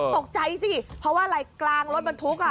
ตกใจสิเพราะว่าอะไรกลางรถบรรทุกอ่ะ